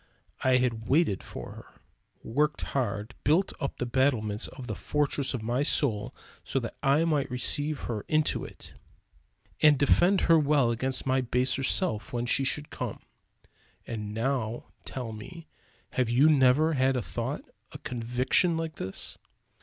I had waited for her; worked hard, built up the battlements and the fortress of my soul so that I might receive her into it; and defend her well against my baser self when she should come. And now tell me have you never had a thought, a conviction like this?